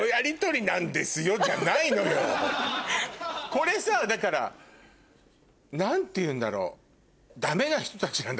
これさだから何ていうんだろう。